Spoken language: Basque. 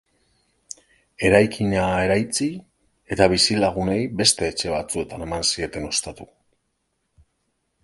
Eraikina eraitsi, eta bizilagunei beste etxe batzuetan eman zieten ostatu.